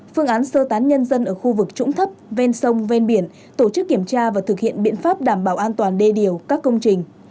phương án sơ tán nhân dân ở khu vực trũng thấp ven sông ven biển tổ chức kiểm tra và thực hiện biện pháp đảm bảo an toàn đê điều các công trình